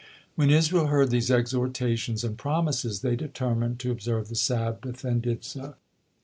When Israel heard these exhortations and promises, they determined to observe the Sabbath, and did so.